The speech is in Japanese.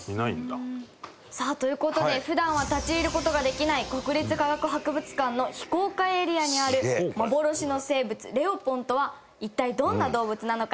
さあという事で普段は立ち入る事ができない国立科学博物館の非公開エリアにある幻の生物レオポンとは一体どんな動物なのか？